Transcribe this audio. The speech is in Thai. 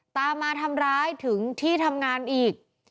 ตามมาทำร้ายถึงที่ทำงานอีก